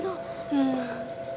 うん。